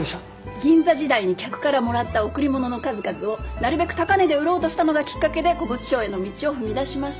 銀座時代に客からもらった贈り物の数々をなるべく高値で売ろうとしたのがきっかけで古物商への道を踏み出しました。